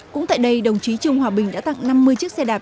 cũng tại đây đồng chí trương hòa bình đã tặng năm mươi chiếc xe đạp